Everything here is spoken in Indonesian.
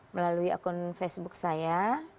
melalui akun facebook saya